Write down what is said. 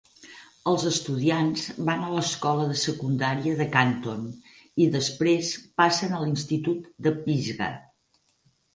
Els estudiants van a l'Escola de Secundària de Canton i després passen a l'Institut de Pisgah.